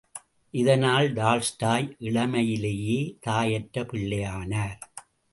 இதனால், டால்ஸ்டாய் இளமையிலேயே தாயற்ற பிள்ளையானார்!